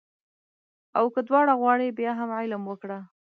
او که دواړه غواړې بیا هم علم وکړه